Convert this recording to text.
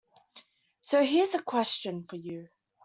So here’s a question for you.